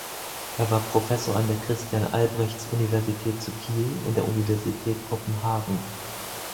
Er war Professor an der Christian-Albrechts-Universität zu Kiel und der Universität Kopenhagen.